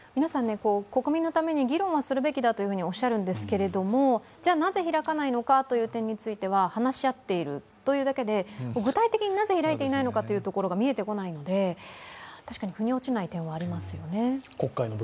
国民のために議論するんだとおっしゃるんですけど、なぜ開かないのか話し合っているというだけで、具体的になぜ開いていないのかというが見えてこないので、確かに腑に落ちない部分はありますね。